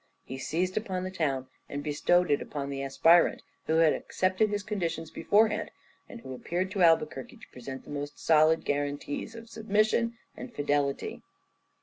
He seized upon the town and bestowed it upon the aspirant who had accepted his conditions beforehand, and who appeared to Albuquerque to present the most solid guarantees of submission and fidelity.